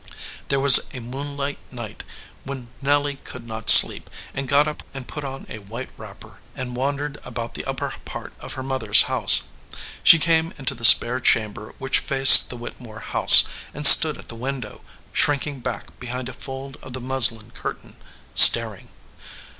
There was a moonlight night when Nelly could not sleep, and got up and put on a white wrapper and wandered about the upper part of her mother s house. She came into the spare chamber which faced the Whittemore house, and stood at the window, shrinking back behind a fold of the muslin curtain, staring.